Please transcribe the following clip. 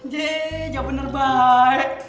jej gak bener bay